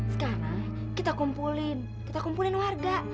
sekarang kita kumpulin kita kumpulin warga